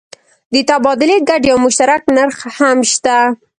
د تبادلې ګډ یا مشترک نرخ هم شته.